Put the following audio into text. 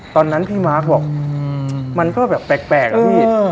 ตอนนั้นพี่มาร์คบอกมันก็แบบแปลกอะพี่